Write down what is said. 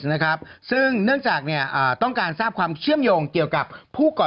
อึกอึกอึกอึกอึกอึกอึกอึกอึก